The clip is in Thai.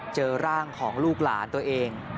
เจอร่างของลูกหลานตัวเอง